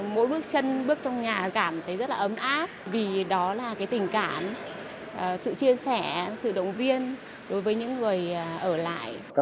mỗi bước chân bước trong nhà cảm thấy rất là ấm áp vì đó là cái tình cảm sự chia sẻ sự động viên đối với những người ở lại